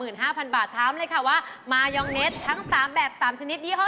เอาล่ะถอบกลับกันแซนวิชไหมคะ